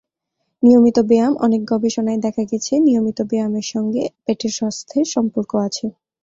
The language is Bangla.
নিয়মিত ব্যায়ামঅনেক গবেষণায় দেখা গেছে, নিয়মিত ব্যায়ামের সঙ্গে পেটের স্বাস্থ্যের সম্পর্ক আছে।